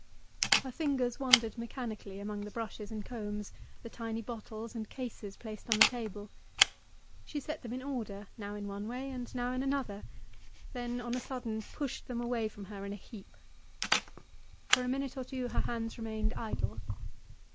Her fingers wandered mechanically among the brushes and combs, the tiny bottles and cases placed on the table. She set them in order, now in one way, and now in another—then on a sudden pushed them away from her in a heap. For a minute or two her hands remained idle.